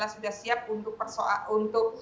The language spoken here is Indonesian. sudah siap untuk